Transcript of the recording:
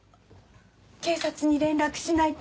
警察に連絡しないと。